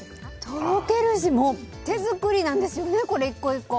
とろけるし手作りなんですよね、これ１個１個。